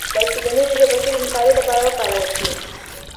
باید ټولنیز شبکې د مطالعې لپاره وکارول شي.